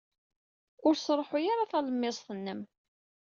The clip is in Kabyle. Ur sṛuḥuy ara talemmiẓt-nnem.